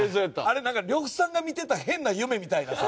あれなんか呂布さんが見てた変な夢みたいなさ。